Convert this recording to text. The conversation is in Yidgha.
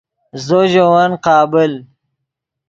زو ژے ون قابل